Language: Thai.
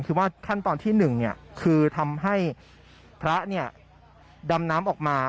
คือว่าขั้นตอนที่หนึ่งเนี่ยคือทำให้พระเนี่ยดำน้ำออกมา